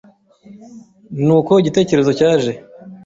Ni uko igitekerezo cyaje